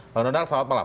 pak donald selamat malam